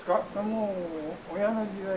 もう親の時代から。